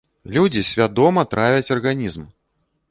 Людзі свядома травяць арганізм!